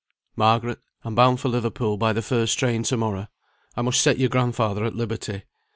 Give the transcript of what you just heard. "Margaret, I'm bound for Liverpool by the first train to morrow; I must set your grandfather at liberty."